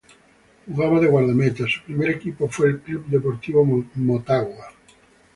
Jugaba de guardameta, su primer equipo fue el Club Deportivo Motagua.